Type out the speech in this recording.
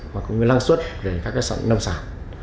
và cũng là năng suất để các sản nông sản